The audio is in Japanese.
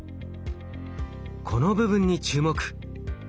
この部分に注目。